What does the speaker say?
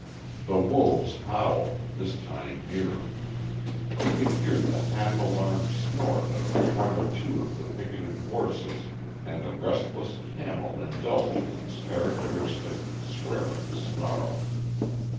The wolves howled, this time nearer. He could hear the half alarmed snort of one or two of the picketted horses, and a restless camel indulge in its characteristic, swearing snarl.